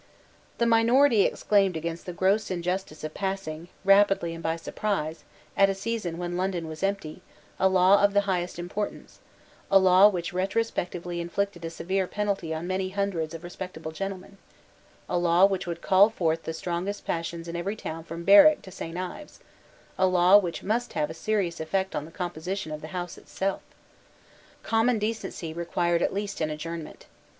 The minority exclaimed against the gross injustice of passing, rapidly and by surprise, at a season when London was empty, a law of the highest importance, a law which retrospectively inflicted a severe penalty on many hundreds of respectable gentlemen, a law which would call forth the strongest passions in every town from Berwick to St. Ives, a law which must have a serious effect on the composition of the House itself. Common decency required at least an adjournment.